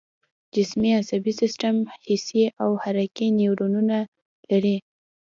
جسمي عصبي سیستم حسي او حرکي نیورونونه لري